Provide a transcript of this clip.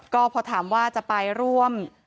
ก็พอถามว่าจะไปร่วม